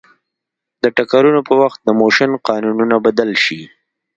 د ټکرونو په وخت د موشن قانونونه بدل شي.